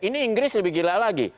ini inggris lebih gila lagi